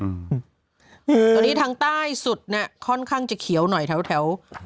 ตรงนี้ทางใต้สุดน่ะค่อนข้างจะเขียวหน่อยแถว